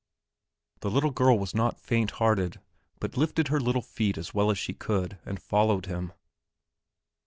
The little girl was not faint hearted, but lifted her little feet as well as she could and followed him.